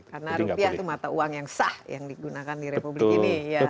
karena rupiah itu mata uang yang sah yang digunakan di republik ini